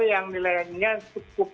yang nilainya cukup